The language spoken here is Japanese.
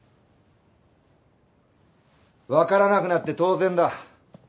分からなくなって当然だ。